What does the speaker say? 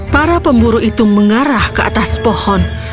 para pemburu itu mengarah ke atas pohon